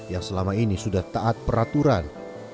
yang selama ini sudah taat peraturan